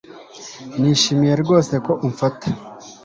Nishimiye rwose ko umfata